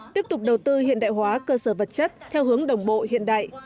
tiếp tục đầu tư hiện đại hóa cơ sở vật chất theo hướng đồng bộ hiện đại